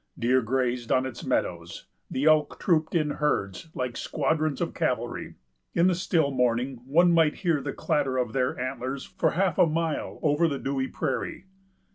Deer grazed on its meadows. The elk trooped in herds, like squadrons of cavalry. In the still morning, one might hear the clatter of their antlers for half a mile over the dewy prairie.